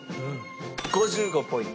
５５ポイント。